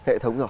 hệ thống rồi